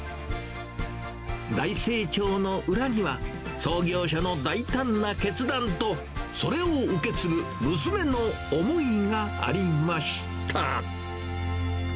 大成長の裏には、創業者の大胆な決断と、それを受け継ぐ娘の思いがありました。